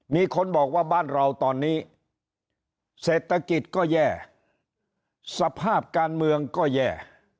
มีคนบอกว่าบ้านเราตอนนี้เศรษฐกิจก็แย่สภาพการเมืองก็แย่